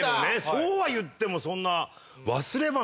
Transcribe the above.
そうは言ってもそんな。